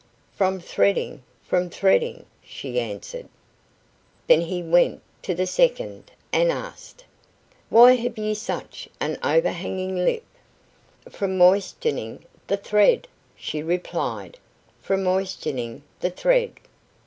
"From threading, from threading," she answered. Then he went to the second, and asked: "Why have you such an overhanging lip?" "From moistening the thread," she replied, "from moistening the thread."